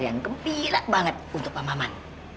yang gembira banget untuk pak maman